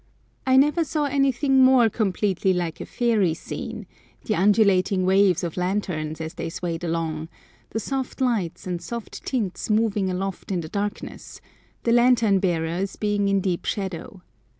I never saw anything more completely like a fairy scene, the undulating waves of lanterns as they swayed along, the soft lights and soft tints moving aloft in the darkness, the lantern bearers being in deep shadow.